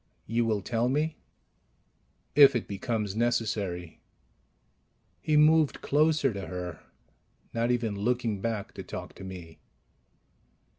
"You will tell me?" "If it becomes necessary." He moved closer to her, not even looking back to talk to me.